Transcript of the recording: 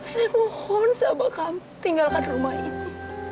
saya mohon sama kami tinggalkan rumah ini